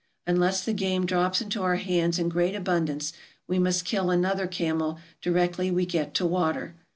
Unless the game drops into our hands in great abundance, we must kill another camel directly we get to water.